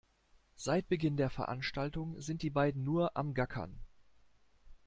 Seit Beginn der Veranstaltung sind die beiden nur am Gackern.